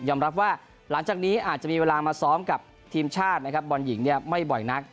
รับว่าหลังจากนี้อาจจะมีเวลามาซ้อมกับทีมชาตินะครับบอลหญิงเนี่ยไม่บ่อยนัก